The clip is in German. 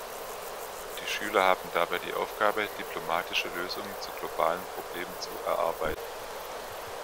Die Schüler haben dabei die Aufgabe, diplomatische Lösungen zu globalen Problemen zu erarbeiten.